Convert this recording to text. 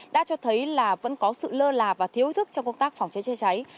đã cho thấy là vẫn có sự lơ là và thiếu thức trong công tác phòng cháy chữa cháy